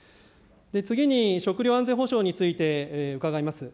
次に、食料安全保障について伺います。